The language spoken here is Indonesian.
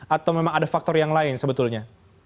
atau memang ada faktor yang lain sebetulnya